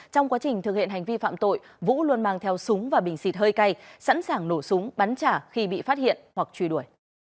trong quá trình thực hiện hành vi phạm tội vũ luôn mang theo súng và bình xịt hơi cay sẵn sàng nổ súng bắn trả khi bị phát hiện hoặc truy đuổi